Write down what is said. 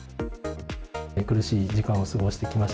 苦しい時間を過ごしてきまし